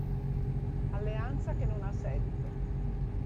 Alleanza che non ha seguito.